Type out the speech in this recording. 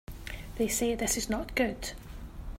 They say this is not good.